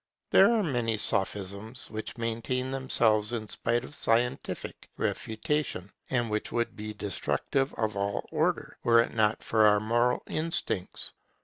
There are many sophisms which maintain themselves in spite of scientific refutation, and which would be destructive of all order, were it not for our moral instincts.